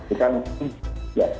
itu kan ya